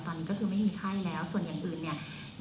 ตอนนี้ก็คือไม่มีไข้แล้วส่วนอย่างอื่นเนี่ย